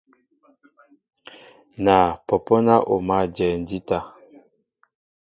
Naa , pɔ́pɔ́ ná o mǎl ajɛɛ jíta.